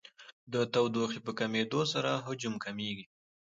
د تودوخې په کمېدو سره حجم کمیږي.